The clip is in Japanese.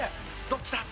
どっちだ？